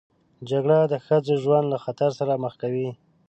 جګړه د ښځو ژوند له خطر سره مخ کوي